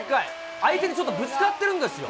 相手にちょっとぶつかってるんですよ。